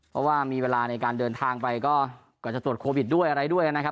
เพราะว่ามีเวลาในการเดินทางไปก็กว่าจะตรวจโควิดด้วยอะไรด้วยนะครับ